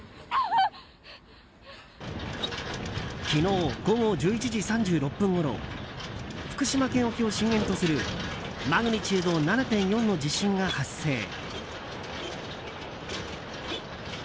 昨日、午後１１時３６分ごろ福島県沖を震源とするマグニチュード７．４の地震が発生。